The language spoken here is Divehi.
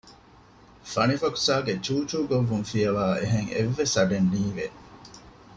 ފަނިފަކުސާގެ ޗޫޗޫ ގޮއްވުން ފިޔަވައި އެހެން އެއްވެސް އަޑެއް ނީވެ